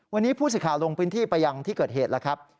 วันนี้ผู้สื่อข่าวลงพื้นที่ไปยังที่เกิดเหตุแล้วครับ